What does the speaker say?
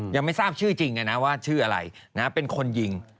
ยังไม่ทราบชื่อจริงเลยนะว่าชื่ออะไรเป็นคนยิง